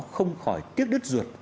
không khỏi tiếc đứt ruột